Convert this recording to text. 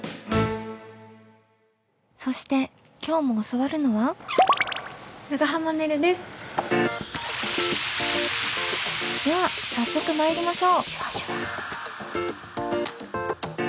そして今日も教わるのはでは早速参りましょう！